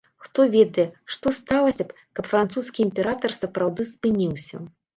Хто ведае, што сталася б, каб французскі імператар сапраўды спыніўся?